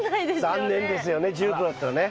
残念ですよね１０℃だったらね。